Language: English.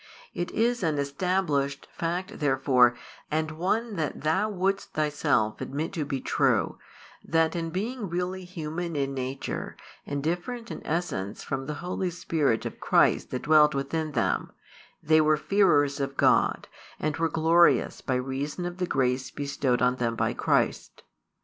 It is an established fact therefore, and one that thou wouldst thyself admit to be true, that being really human in nature, and different in essence from the Holy Spirit of Christ that dwelt within them, they were fearers of God, and were glorious by reason of the grace bestowed on them by Christ.